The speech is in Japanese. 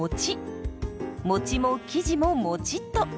もちも生地ももちっと。